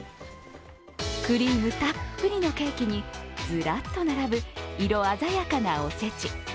クリームたっぷりのケーキにずらっと並ぶ色鮮やかなお節。